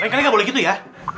rengganya gak boleh gitu ya